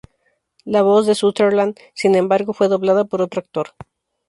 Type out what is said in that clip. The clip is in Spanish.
La voz de Sutherland, sin embargo, fue doblada por otro actor.